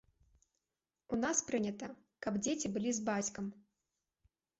У нас прынята, каб дзеці былі з бацькам.